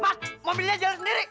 mas mobilnya jangan sendiri